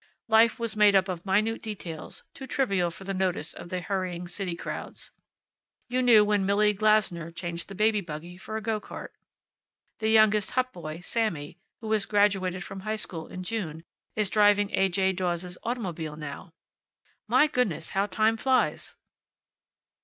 Life was made up of minute details, too trivial for the notice of the hurrying city crowds. You knew when Milly Glaenzer changed the baby buggy for a go cart. The youngest Hupp boy Sammy who was graduated from High School in June, is driving A. J. Dawes's automobile now. My goodness, how time flies!